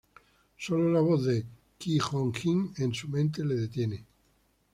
Sólo la voz de Qui-Gon Jin en su mente le detiene.